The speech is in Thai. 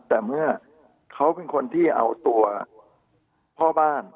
แต่เมื่อเขาเป็นคนที่เอาตัวพ่อบ้าน